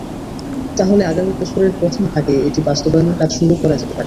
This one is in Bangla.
তাহলে আগামী বছরের প্রথম ভাগে এটি বাস্তবায়নের কাজ শুরু করা যেতে পারে।